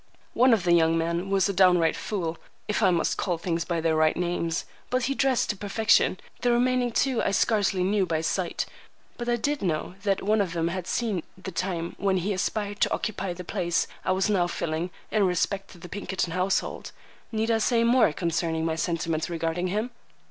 One of the young men was a downright fool, if I must call things by their right names, but he dressed to perfection; the remaining two I scarcely knew by sight, but I did know that one of them had seen the time when he aspired to occupy the place I was now filling in respect to the Pinkerton household: need I say more concerning my sentiments regarding him?